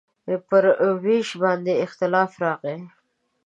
پر وېش باندې اختلاف راغی.